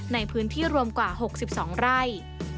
ในพื้นที่รวมกว่า๖๒ไร่